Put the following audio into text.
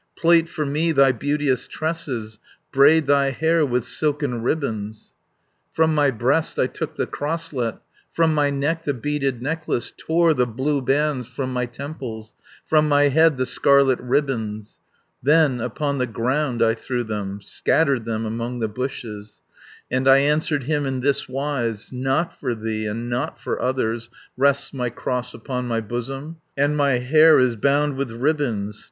Plait for me thy beauteous tresses, Braid thy hair with silken ribands." 100 "From my breast I took the crosslet, From my neck the beaded necklace, Tore the blue bands from my temples, From my head the scarlet ribands, Then upon the ground I threw them, Scattered them among the bushes, And I answered him in this wise: 'Not for thee, and not for others, Rests my cross upon my bosom, And my hair is bound with ribands.